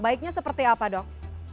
baiknya seperti apa dok